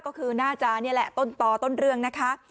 ก็คือน่าจะนี่แหละต้นต่อต้นเรื่องนะคะ